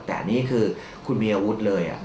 แต่นี่คือคุณมีอาวุธเลย